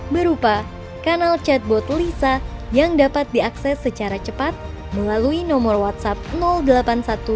berupa kanal chatbot lisa yang dapat diakses secara cepat melalui nomor whatsapp delapan puluh satu satu ratus tiga puluh satu satu ratus tiga puluh satu satu ratus tiga puluh satu